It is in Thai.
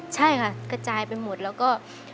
ใช่ค่ะกระจายไปหมดแล้วก็